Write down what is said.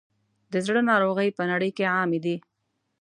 د زړه ناروغۍ په نړۍ کې عامې دي.